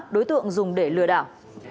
đối tượng dùng để lừa đảo